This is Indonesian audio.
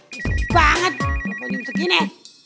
susah banget bapak nyumseg ini